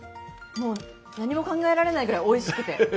もう何も考えられないぐらいおいしくて。